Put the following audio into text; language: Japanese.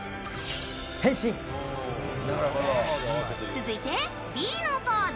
続いて、Ｂのポーズ。